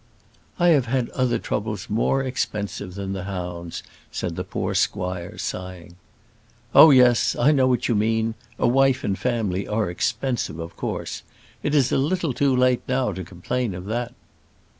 "I have had other troubles more expensive than the hounds," said the poor squire, sighing. "Oh, yes; I know what you mean; a wife and family are expensive, of course. It is a little too late now to complain of that."